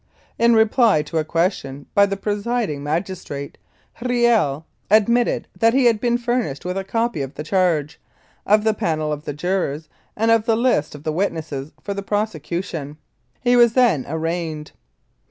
In reply to a question by the presiding magistrate, Riel admitted that he had been furnished with a copy of the charge, of the panel of the jurors, and of the list of the witnesses for the prosecution. He was then arraigned.